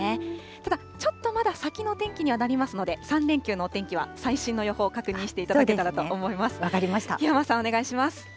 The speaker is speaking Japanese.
ただ、ちょっとまだ先の天気にはなりますので、３連休のお天気は最新の予報を確認していただけたらと思います。